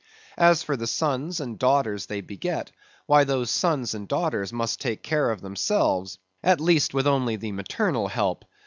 As for the sons and the daughters they beget, why, those sons and daughters must take care of themselves; at least, with only the maternal help.